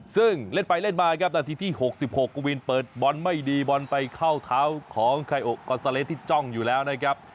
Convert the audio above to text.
ซึ่งเล่นไปเล่นมาครับนาทีที่๖๖กวินเปิดบอลไม่ดีบอลไปเข้าเท้าของไคโอกอนซาเลสที่จ้องอยู่แล้วนะครับ